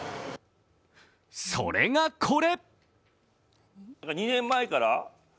それがこれ。